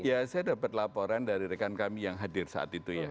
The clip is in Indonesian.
ya saya dapat laporan dari rekan kami yang hadir saat itu ya